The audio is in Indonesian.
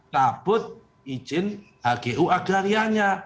cabut izin hgu agrarianya